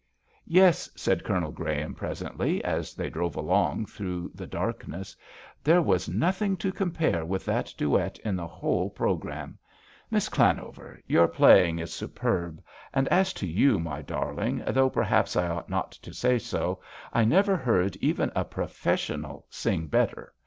"Yes," said Colonel Graham, presently, as they drove along through the darkness, " there was nothing to compare with that duet in the whole pro gramme. Miss Llanover, your playing is superb ; and as to you, my darling, though perhaps I ought not to say so, I never heard even a professional sing better.